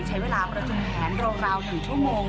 ใช้เวลาประชุมแผนราว๑ชั่วโมง